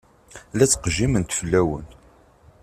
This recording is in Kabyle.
La ttqejjiment fell-awen.